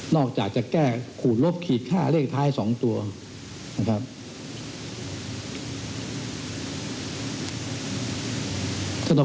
อกจากจะแก้ขูดลบขีดค่าเลขท้าย๒ตัวนะครับ